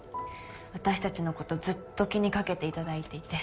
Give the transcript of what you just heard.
私たちのことずっと気にかけていただいていて。